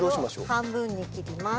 これを半分に切ります。